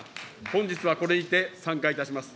本日はこれにて散会いたします。